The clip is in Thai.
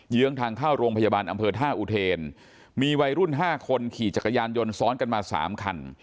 ื้องทางเข้าโรงพยาบาลอำเภอท่าอุเทนมีวัยรุ่น๕คนขี่จักรยานยนต์ซ้อนกันมา๓คัน